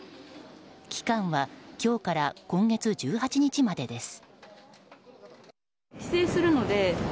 期間は今日から今月１８日までです。